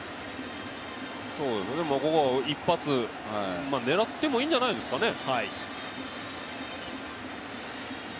ここ、一発狙ってもいいんじゃないですかね。